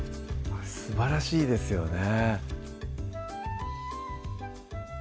すばらしいですよね